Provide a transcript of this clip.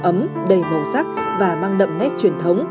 ấm đầy màu sắc và mang đậm nét truyền thống